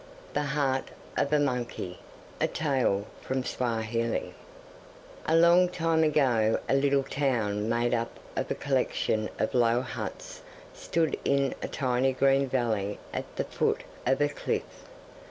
The Heart of a Monkey A long time ago a little town made up of a collection of low huts stood in a tiny green valley at the foot of a cliff.